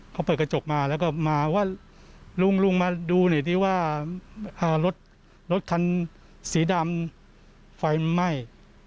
เขาเปิดกระจกมาแล้วก็มาว่าลุงลุงมาดูหน่อยดีว่ารถคันสีดำไฟมันไหม้